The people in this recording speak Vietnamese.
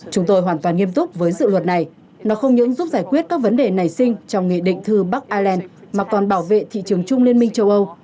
chúng tôi hoàn toàn nghiêm túc với dự luật này nó không những giúp giải quyết các vấn đề nảy sinh trong nghị định thư bắc ireland mà còn bảo vệ thị trường chung liên minh châu âu